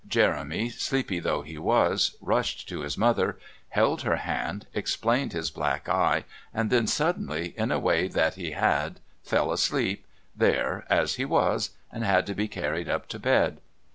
Jeremy, sleepy though he was, rushed to his mother, held her hand, explained his black eye, and then suddenly, in a way that he had, fell asleep, there as he was, and had to be carried up to bed.